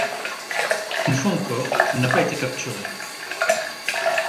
Une fois encore, il n'a pas été capturé.